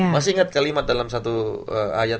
masih ingat kalimat dalam satu ayat